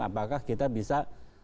apakah kita bisa